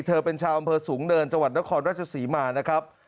เธอเป็นชาวอำเภอสูงเนินจังหวัดนครราชศรีมานะครับ